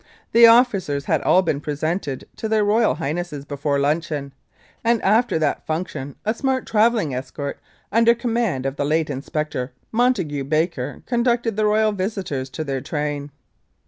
The officers had all been presented to their Royal High nesses before luncheon, and after that function a smart travelling escort, under command of the late Inspector Montague Baker, conducted the Royal visitors to their train.